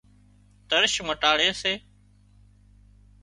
ترش مٽاڙي سي